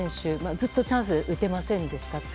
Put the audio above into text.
ずっとチャンスで打てませんでした。